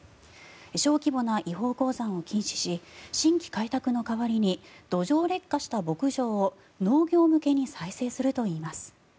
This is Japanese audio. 小規模な違法鉱山を禁止し新規開拓の代わりに土壌劣化した牧場を農業向けに再生するといいます。